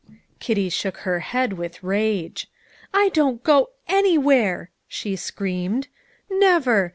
Kitty shook her head with rage. "I don't go anywhere," she screamed. "Never!